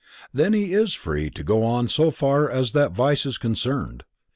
Then he is free to go on so far as that vice is concerned.